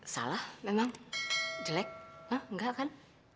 salah memang jelek enggak kan